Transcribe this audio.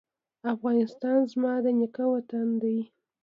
افغانستان زما د نیکه وطن دی